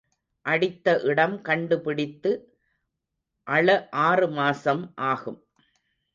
அடித்த இடம் கண்டுபிடித்து அழ ஆறு மாசம் ஆகும்.